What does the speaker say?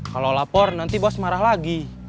kalau lapor nanti bos marah lagi